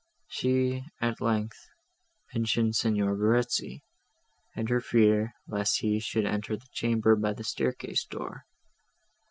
She, at length, mentioned Signor Verezzi, and her fear, lest he should enter the chamber by the staircase, door.